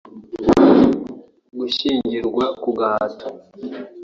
gushyingirwa ku gahato